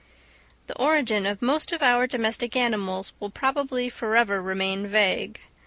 The origin of most of our domestic animals will probably forever remain vague.